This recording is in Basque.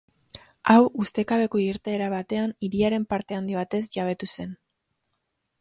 Hau ustekabeko irteera batean hiriaren parte handi batez jabetu zen.